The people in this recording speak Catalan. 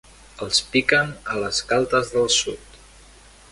Els piquen a les galtes del sud.